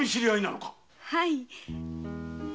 はい。